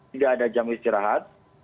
tidak ada jam istirahat